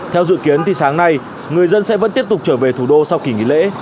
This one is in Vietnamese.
theo dự kiến thì sáng nay người dân sẽ vẫn tiếp tục trở về thủ đô sau kỳ nghỉ lễ